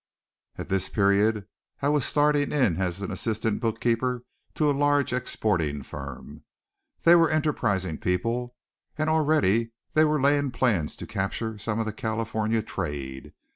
At this period I was starting in as an assistant bookkeeper to a large exporting firm. They were enterprising people, and already they were laying plans to capture some of the California trade.